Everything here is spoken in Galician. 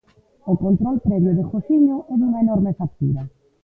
O control previo de Josiño é dunha enorme factura.